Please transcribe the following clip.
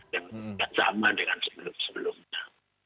yang sama dengan sebelumnya